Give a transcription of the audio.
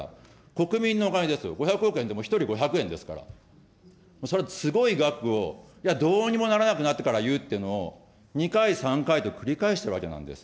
国民のお金ですよ、５００億円でも１人５００円ですから、それすごい額を、いや、どうにもならなくなってからいうっていうのを、２回、３回と繰り返してるわけなんです。